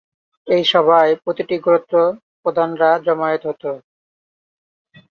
এ সভায় প্রতিটি গোত্র প্রধানরা জমায়েত হতো।